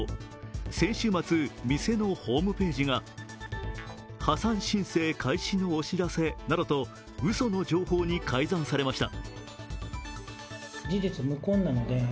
先月、会社のホームページに破産申請開始のお知らせなどとうその情報に改ざんされました。